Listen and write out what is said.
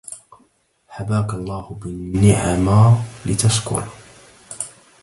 حباك الله بالنعما لتشكر